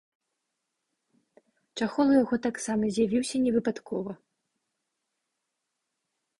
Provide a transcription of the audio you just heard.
Чахол у яго таксама з'явіўся не выпадкова.